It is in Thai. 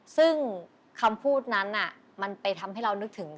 ซึ่งคำพูดนั้นมันไปทำให้เรานึกถึง